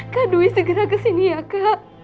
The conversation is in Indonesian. kak dwi segera kesini ya kak